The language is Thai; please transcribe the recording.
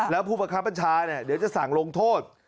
แล้วผู้ประคับบัญชาเดี๋ยวจะสั่งลงโทษ